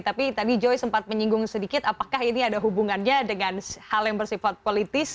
tapi tadi joy sempat menyinggung sedikit apakah ini ada hubungannya dengan hal yang bersifat politis